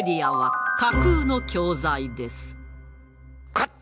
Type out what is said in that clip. カット！